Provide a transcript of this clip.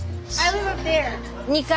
２階。